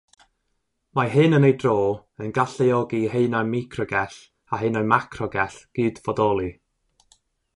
Mae hyn yn ei dro yn galluogi i haenau microgell a haenau macrogell gydfodoli.